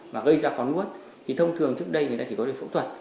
mà gây ra khó nuốt thì thông thường trước đây người ta chỉ có được phẫu thuật